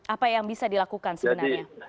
apa yang bisa dilakukan sebenarnya